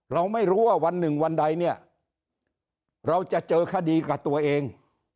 เราไม่รู้ว่าวันหนึ่งวันใดเนี่ยเราจะเจอคดีกับตัวเอง